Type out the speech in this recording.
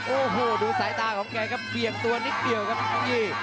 โอ้โหดูสายตาของแกครับเบี่ยงตัวนิดเดียวครับพี่